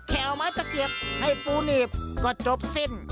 ไม้ตะเกียบให้ปูหนีบก็จบสิ้น